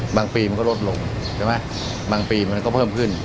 ปีมันก็ลดลงใช่ไหมบางปีมันก็เพิ่มขึ้น